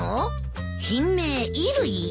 「品名衣類」！？